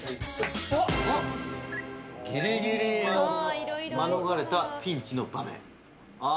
ギリギリ免れたピンチの場面。